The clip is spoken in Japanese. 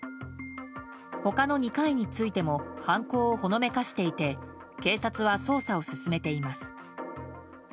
他の２回についても犯行をほのめかしていて警察は捜査を進めています。